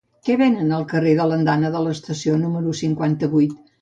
Què venen al carrer de l'Andana de l'Estació número cinquanta-vuit?